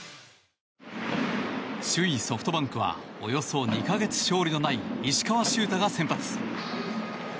首位ソフトバンクはおよそ２か月勝利のない石川柊太が先発。